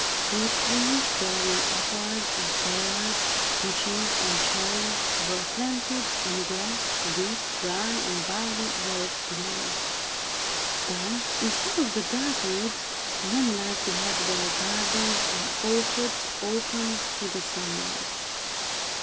Fruit trees, bearing apples and pears, peaches and cherries, were planted, and grass, wheat, rye and barley were grown. Then, instead of the dark woods, men liked to have their gardens and orchards open to the sunlight.